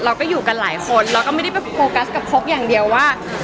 เราก็อยู่กันหลายคนเราก็ไม่ได้ไปโฟกัสกับคกอย่างเดียวว่า